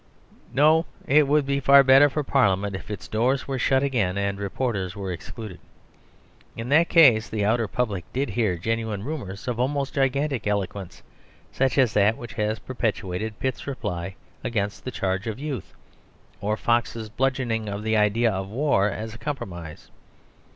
No; it would be far better for Parliament if its doors were shut again, and reporters were excluded. In that case, the outer public did hear genuine rumours of almost gigantic eloquence; such as that which has perpetuated Pitt's reply against the charge of youth, or Fox's bludgeoning of the idea of war as a compromise.